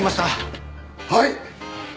はい！